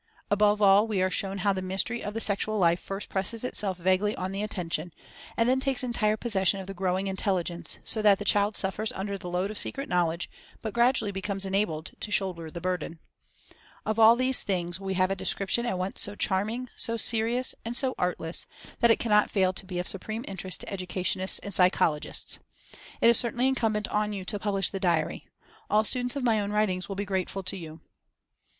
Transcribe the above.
Above all, we are shown how the mystery of the sexual life first presses itself vaguely on the attention, and then takes entire possession of the growing intelligence, so that the child suffers under the load of secret knowledge but gradually becomes enabled to shoulder the burden. Of all these things we have a description at once so charming, so serious, and so artless, that it cannot fail to be of supreme interest to educationists and psychologists. "It is certainly incumbent on you to publish the diary. All students of my own writings will be grateful to you."